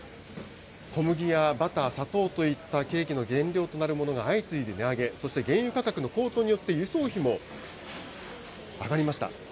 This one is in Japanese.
小麦やバター、砂糖といったケーキの原料となるものが相次いで値上げ、そして原油価格の高騰によって輸送費も上がりました。